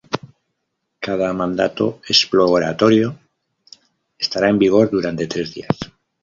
Cada mandato exploratorio estará en vigor durante tres días.